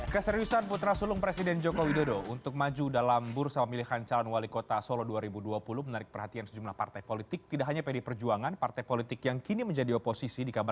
keputusan putra sulung presiden jokowi dodo